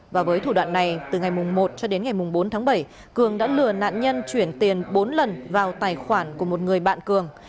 và với thủ đoạn này từ ngày một cho đến ngày bốn tháng bảy cường đã lừa nạn nhân chuyển tiền bốn lần vào tài khoản của một người bạn cường